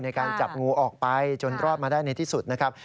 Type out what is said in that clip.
ในการจับงูออกไปจนรอดมาได้ในที่สุดนะครับ